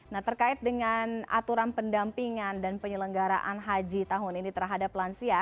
nah terkait dengan aturan pendampingan dan penyelenggaraan haji tahun ini terhadap lansia